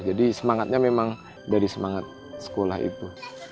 jadi semangatnya memang dari semangat sekolah itu